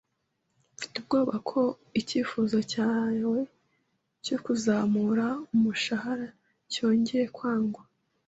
Mfite ubwoba ko icyifuzo cyawe cyo kuzamura umushahara cyongeye kwangwa.